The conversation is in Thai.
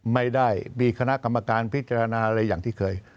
ไม่ได้มีคณะกรรมการพิจารณาอะไรอย่างที่เคย